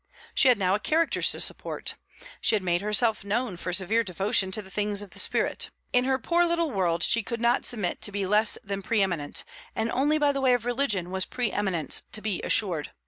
She had now a character to support; she had made herself known for severe devotion to the things of the spirit. In her poor little world she could not submit to be less than pre eminent, and only by the way of religion was pre eminence to be assured.